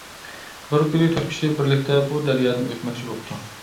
بىر كۈنى تۆت كىشى بىرلىكتە بۇ دەريادىن ئۆتمەكچى بوپتۇ.